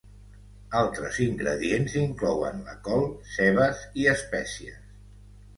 Altres ingredients inclouen la col, cebes i espècies.